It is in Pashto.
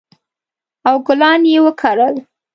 او ګلان یې وکرل